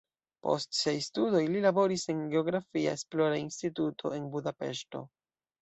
Post siaj studoj li laboris en geografia esplora instituto en Budapeŝto.